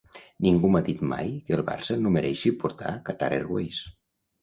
Ningú m'ha dit mai que el Barça no mereixi portar 'Qatar Airways'.